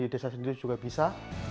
saya bekerja di desa sendiri juga bisa